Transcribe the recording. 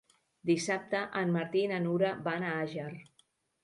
Dissabte en Martí i na Nura van a Àger.